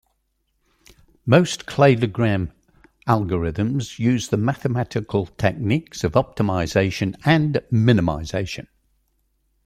Most cladogram algorithms use the mathematical techniques of optimization and minimization.